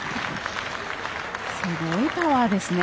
すごいパワーですね。